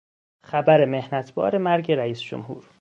خبر محنتبار مرگ رئیس جمهور